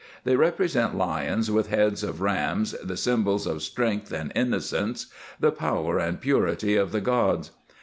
They represent lions with heads of rams, the symbols of strength and innocence, the power and purity of the Gods.